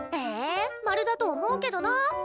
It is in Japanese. ええまるだと思うけどなあ。